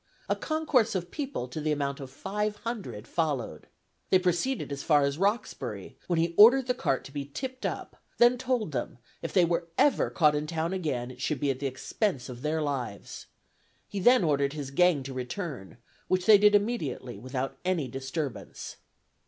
A concourse of people to the amount of five hundred followed. They proceeded as far as Roxbury, when he ordered the cart to be tipped up, then told them if they were ever caught in town again it should be at the expense of their lives. He then ordered his gang to return, which they did immediately without any disturbance."